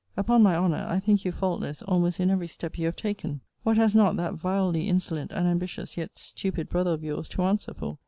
Upon my honour, I think you faultless almost in every step you have taken. What has not that vilely insolent and ambitious, yet stupid, brother of your's to answer for?